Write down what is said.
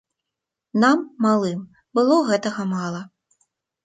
Нам, малым, было гэтага мала.